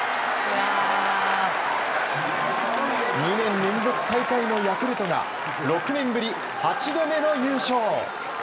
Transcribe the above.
２年連続最下位のヤクルトが６年ぶり８度目の優勝。